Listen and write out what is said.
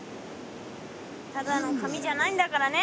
ただの紙じゃないんだからね。